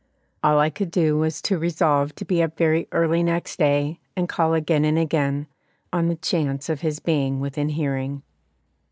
All I could do was to resolve to be up very early next day, and call again and again, on the chance of his being within hearing.